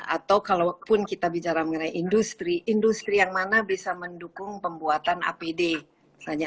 atau kalau pun kita bicara industri industri yang mana bisa mendukung pembuatan apd misalnya